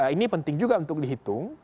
ini penting juga untuk dihitung